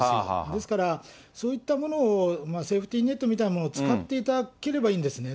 ですから、そういったものを、セーフティーネットみたいなものを使っていただければいいんですね。